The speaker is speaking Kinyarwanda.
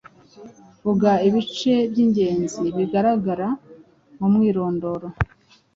Vuga ibice by’ingenzi bigaragara mu mwirondoro.